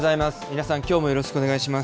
皆さん、きょうもよろしくお願い